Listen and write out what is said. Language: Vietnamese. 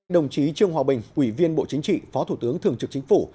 đồng chí trương hòa bình ủy viên bộ chính trị phó thủ tướng thường trực chính phủ